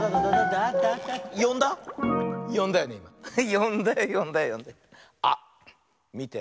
よんだよよんだよよんだよ。あっみて。